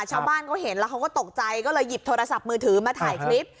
ชาวบ้านเขาเห็นแล้วเขาก็ตกใจก็เลยหยิบโทรศัพท์มือถือมาถ่ายคลิป